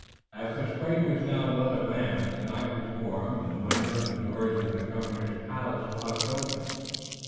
As the spring was now well advanced the night was warm and the windows and doors of the Governor's Palace were left open.